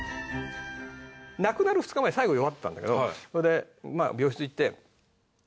亡くなる２日前最後弱ってたんだけどそれでまあ。